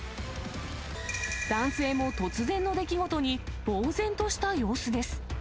男性も突然の出来事にぼう然とした様子です。